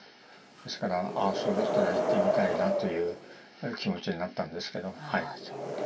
ですからああそれだったら行ってみたいなという気持ちになったんですけどはい。